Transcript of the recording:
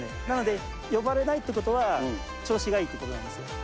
なので呼ばれないってことは、調子がいいということなんですよ。